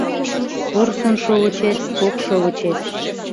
Порсын шовычет — кок шовычет